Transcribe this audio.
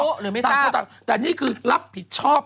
ไม่รู้หรือไม่ทราบแต่อันนี้คือรับผิดชอบ